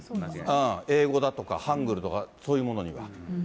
英語だとかハングルとか、そういうものには。